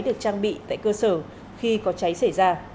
được trang bị tại cơ sở khi có cháy xảy ra